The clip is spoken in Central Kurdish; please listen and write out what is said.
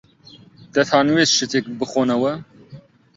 دەتانەوێت شتێک بخۆنەوە؟